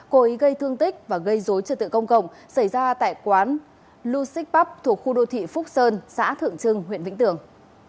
cố ý gây thương tích và gây dối trật tự công cộng xảy ra tại quán luxi pub thuộc khu đô thị phúc sơn xã thượng trưng huyện vĩnh tường